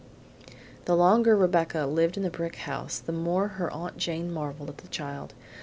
The longer Rebecca lived in the brick house the more her Aunt Jane marveled at the child.